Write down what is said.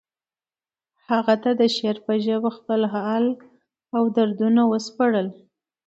هغه ته یې د شعر په ژبه خپل حال او دردونه وسپړل